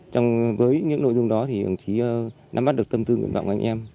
trong với những nội dung đó thì đồng chí nắm bắt được tâm tư nguyện vọng của anh em